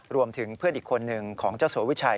รวมถึงเพื่อนอีกคนหนึ่งของเจ้าสัววิชัย